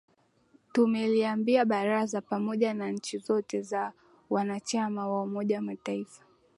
tumeliambia baraza pamoja na nchi zote za wanachama wa umoja wa mataifa